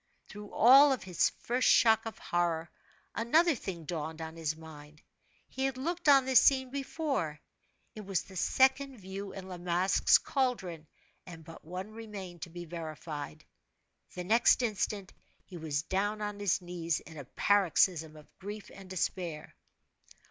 Through all his first shock of horror, another thing dawned on his mind; he had looked on this scene before. It was the second view in La Masque's caldron, and but one remained to be verified. The next instant, he was down on his knees in a paroxysm of grief and despair.